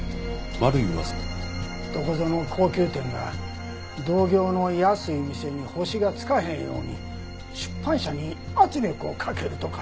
どこぞの高級店が同業の安い店に星がつかへんように出版社に圧力をかけるとか。